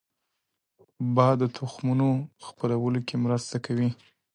باد د تخمونو خپرولو کې مرسته کوي